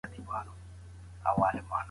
چي پر دغه معيارونو برابره ميرمن غواړم.